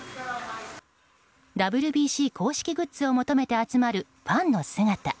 ＷＢＣ公式グッズを求めて集まる、ファンの姿。